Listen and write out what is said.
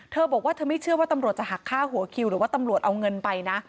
เธอบอกว่าเธอไม่เชื่อว่าตำรวจจะหักฆ่าหัวคิวหรือว่าตำรวจเอาเงินไปนะ